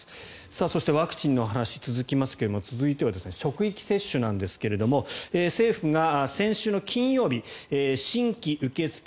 そして、ワクチンの話が続きますが続いては職域接種なんですが政府が先週の金曜日新規受け付け